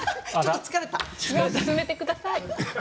進めてください。